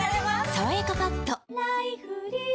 「さわやかパッド」菊池）